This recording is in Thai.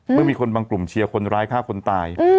เมื่อมีคนบางกลุ่มเชียร์คนร้ายฆ่าคนตาย